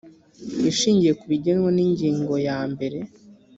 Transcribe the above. ishingiye ku bigenwa n ingingo ya mbere